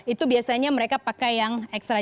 itu biasanya mereka pakai yang ekstra